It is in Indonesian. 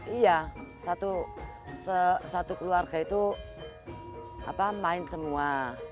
iya satu keluarga itu main semua